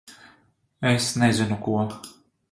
Es nezinu ko...